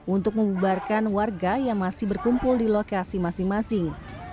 untuk membubarkan warga yang masih berkumpul di lokasi masing masing